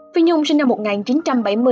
phi nhung sinh năm một nghìn chín trăm bảy mươi